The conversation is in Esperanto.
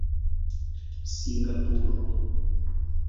singapuro